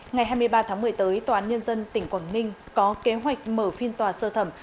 ngày hai mươi ba tháng một mươi tới tòa án nhân dân tỉnh quảng ninh có kế hoạch mở phiên tòa sơ thẩm